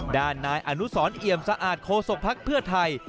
ด้านนายอนุสรเอี่ยมสะอาดโคศกภักดิ์เพื่อไทย